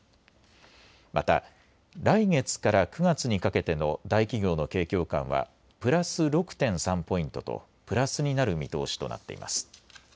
また来月から９月にかけての大企業の景況感はプラス６．３ポイントとプラスになる見通しとなっています。